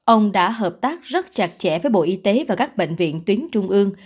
ông đã hợp tác rất chặt chẽ với bộ y tế và các bệnh viện tuyến trung ương